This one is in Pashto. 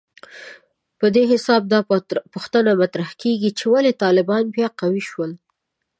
په دې حساب دا پوښتنه مطرحېږي چې ولې طالبان بیا قوي شول